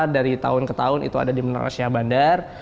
dari tahun ke tahun itu ada di menara syah bandar